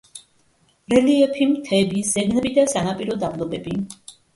რელიეფი: მთები, ზეგნები და სანაპირო დაბლობები.